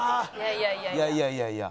いやいやいやいや。